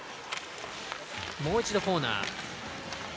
もう一度コーナー。